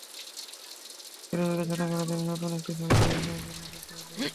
এরই ফাঁকে জানা গেল তিনি নতুন একটি ছবিতে অভিনয়ের জন্য চুক্তিবদ্ধ হয়েছেন।